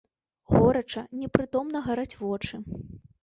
Горача, непрытомна гараць вочы.